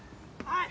はい。